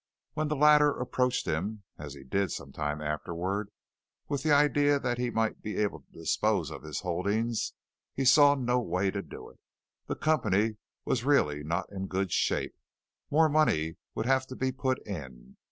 When the latter approached him, as he did some time afterward, with the idea that he might be able to dispose of his holdings, he saw no way to do it. The company was really not in good shape. More money would have to be put in.